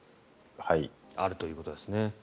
あるということですね。